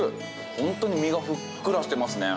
本当に身がふっくらしてますね。